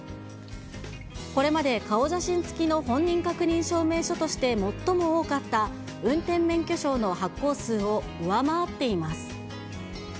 これまで顔写真つきの本人確認証明書として最も多かった運転免許証の発行数を上回っています。